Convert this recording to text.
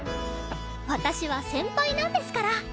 私は先輩なんですから！